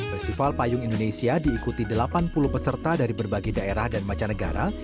festival payung indonesia diikuti delapan puluh peserta dari berbagai daerah dan macanegara